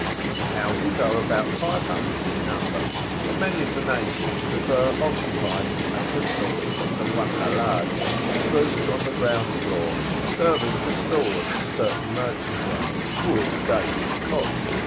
The houses are about 500 in number, but many of the natives prefer occupying the upper stories of the Wakalahs, the rooms on the ground floor serving for stores to certain merchandise, wood, dates, cotton, &c.